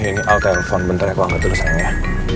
eh ini al telpon bentar ya aku angkat dulu sayangnya